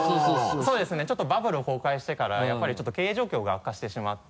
そうですねちょっとバブル崩壊してからやっぱり経営状況が悪化してしまって。